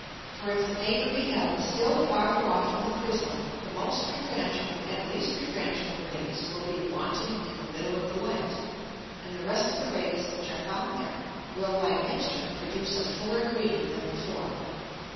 For if the Paper be held still farther off from the Prism, the most refrangible and least refrangible Rays will be wanting in the middle of the Light, and the rest of the Rays which are found there, will by mixture produce a fuller green than before.